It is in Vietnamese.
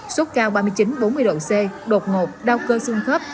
sốt cao ba mươi chín bốn mươi độ c đột ngột đau cơ xương khớp